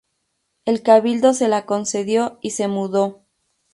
El Cabildo se la concedió y se mudó.